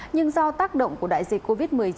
nhưng do tác động của đại dịch covid một mươi chín